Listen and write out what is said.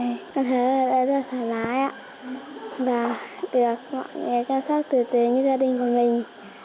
con thấy ở đây rất thoải mái và được mọi người chăm sóc tử tế như gia đình của mình